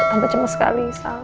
tante cemas sekali sal